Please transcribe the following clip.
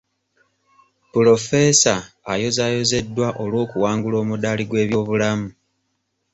Pulofeesa ayozaayozeddwa olw'okuwangula omudaali gw'ebyobulamu.